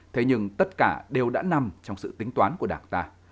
thế nhưng tất cả đều đã nằm trong sự tính toán của đảng ta